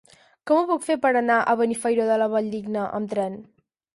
Com ho puc fer per anar a Benifairó de la Valldigna amb tren?